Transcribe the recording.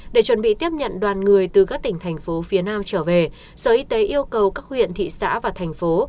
để chuẩn bị tiếp nhận đoàn người từ các tỉnh thành phố phía nam trở về sở y tế yêu cầu các huyện thị xã và thành phố